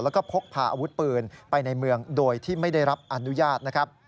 แล้วก็พกพาอาวุธปืนไปในเมืองโดยที่ไม่ได้รับอนุญาตนะครับ